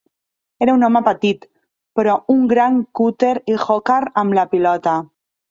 Era un home petit, però un gran cutter i hooker amb la pilota.